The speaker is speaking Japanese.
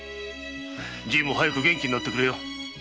じいも早く元気になってくれよ。